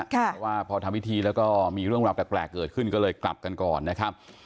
เพราะว่าพอทำพิธีแล้วก็มีเรื่องราวแปลกเกิดขึ้นก็เลยกลับกันก่อนนะครับ